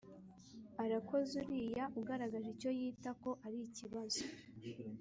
arakoze uriya ugaragaje icyo yita ko ari ikibazo